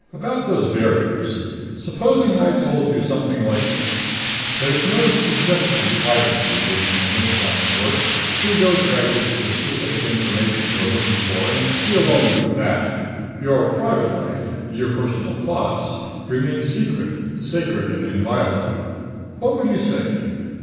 About those barriers. Supposing I told you something like this. There's no significant privacy invasion in this line of work. We go directly to the specific information we're looking for and deal only with that. Your private life, your personal thoughts, remain secret, sacred and inviolate. What would you say?"